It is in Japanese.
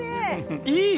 いい！